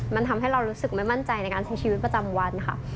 มันทำให้เรารู้สึกไม่มั่นใจในการใช้ชีวิตประจำวันค่ะ